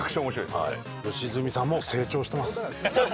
良純さんも成長してます。